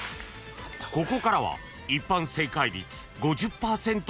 ［ここからは一般正解率５０％以下の問題］